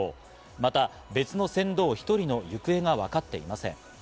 また別の船頭１人の行方がわかっていません。